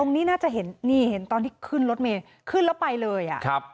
นี้น่าจะเห็นนี่เห็นตอนที่ขึ้นรถเมย์ขึ้นแล้วไปเลยอ่ะครับ